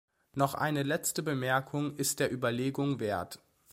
Noch eine letzte Bemerkung ist der Überlegung wert.